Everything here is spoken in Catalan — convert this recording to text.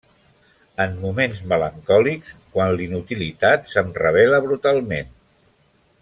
En moments melancòlics, quan la inutilitat se’m revela brutalment.